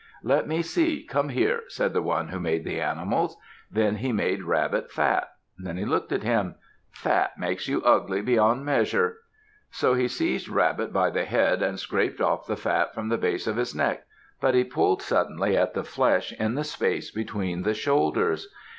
"Let me see! Come here!" said the one who made the animals. Then he made Rabbit fat. Then he looked at him. "Fat makes you ugly beyond measure." So he seized Rabbit by the head and scraped off the fat from the base of his neck. But he pulled suddenly at the flesh in the space between the shoulders.